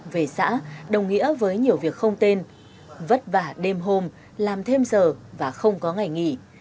về xã đồng nghĩa với nhiều việc không tên vất vả đêm hôm làm thêm giờ và không có ngày nghỉ